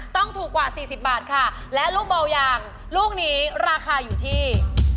ต้องถูกกว่า๔๐บาทค่ะและลูกเบาอย่างลูกนี้ราคาอยู่ที่